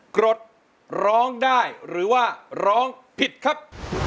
กรดร้องได้หรือว่าร้องผิดครับ